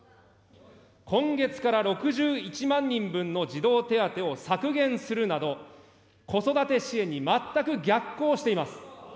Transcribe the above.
今月から６１万人分の児童手当を削減するなど、子育て支援に全く逆行しています。